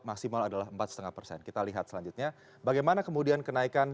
maksimal adalah empat lima persen kita lihat selanjutnya bagaimana kemudian kenaikan